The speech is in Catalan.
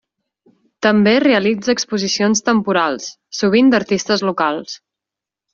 També realitza exposicions temporals, sovint d'artistes locals.